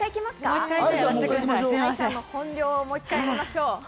愛さんの本領をもう一回、見ましょう。